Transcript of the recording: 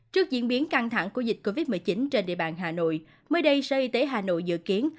trước diễn biến căng thẳng của dịch covid một mươi chín trên địa bàn hà nội mới đây sở y tế hà nội dự kiến